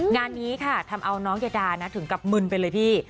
งานนี้ค่ะทำเอาน้องยาดานะถึงกับมึนไปเลยพี่